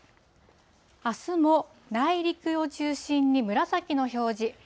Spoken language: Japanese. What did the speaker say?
あすも内陸を中心に紫の表示。